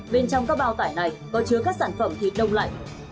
bên trong các bao tải này có chứa các sản phẩm thịt đông lạnh